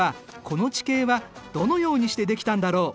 この地形はどのようにしてできたんだろう？